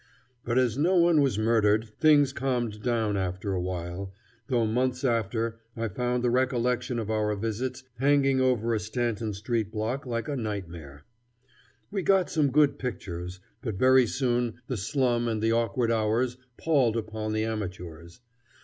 But as no one was murdered, things calmed down after a while, though months after I found the recollection of our visits hanging over a Stanton Street block like a nightmare. We got some good pictures; but very soon the slum and the awkward hours palled upon the amateurs.